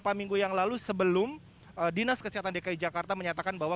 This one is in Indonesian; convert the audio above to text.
beberapa minggu yang lalu sebelum dinas kesehatan dki jakarta menyatakan bahwa